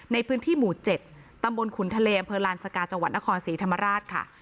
ในพื้นที่หมู่๗ตำบลขุนทะเลอำเภอลานสกาจังหวัดนครศรีธรรมราชค่ะ